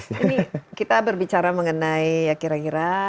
ini kita berbicara mengenai ya kira kira